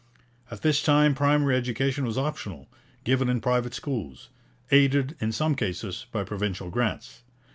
At this time primary education was optional, given in private schools, aided in some cases by provincial grants.